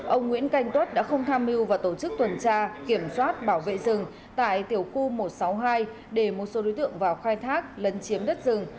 ông nguyễn canh tuất đã không tham mưu và tổ chức tuần tra kiểm soát bảo vệ rừng tại tiểu khu một trăm sáu mươi hai để một số đối tượng vào khai thác lấn chiếm đất rừng